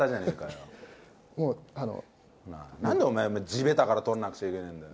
なんでお前、地べたから取んなくちゃいけないんだよ。